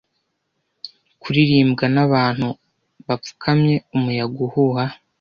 Kuririmbwa nabantu bapfukamye, umuyaga uhuha